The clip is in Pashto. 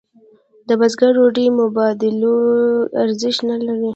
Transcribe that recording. د بزګر ډوډۍ مبادلوي ارزښت نه لري.